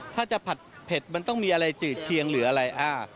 ถ้าจะผัดเผ็ดมันต้องมีอะไรจืดเคียงหรืออะไร